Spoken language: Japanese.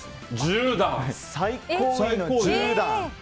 最高位の１０段！